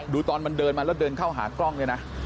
ดูมันเอาไป